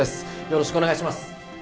よろしくお願いします